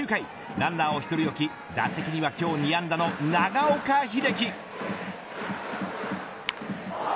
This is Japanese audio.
ランナーを１人置き打席には今日２安打の長岡秀樹。